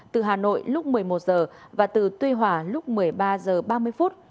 từ hà nội lúc một mươi một h và từ tuy hòa lúc một mươi ba h ba mươi phút